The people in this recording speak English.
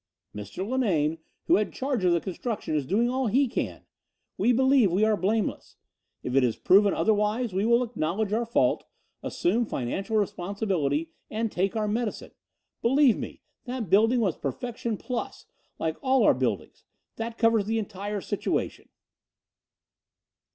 Mr. Linane, who had charge of the construction, is doing all he can. We believe we are blameless. If it is proven otherwise we will acknowledge our fault, assume financial responsibility, and take our medicine. Believe me, that building was perfection plus, like all our buildings. That covers the entire situation."